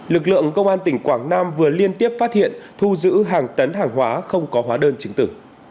lực lượng công an tỉnh quảng nam vừa liên tiếp phát hiện thu giữ hàng tấn hàng hóa không có hóa đơn chứng tử